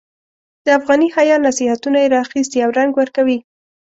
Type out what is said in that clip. د افغاني حیا نصیحتونه یې را اخیستي او رنګ ورکوي.